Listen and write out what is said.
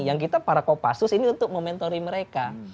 yang kita para kopassus ini untuk mementori mereka